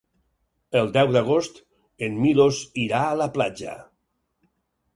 El deu d'agost en Milos irà a la platja.